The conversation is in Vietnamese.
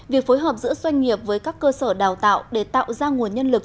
việc phối hợp giữa doanh nghiệp với các cơ sở đào tạo để tạo ra nguồn nhân lực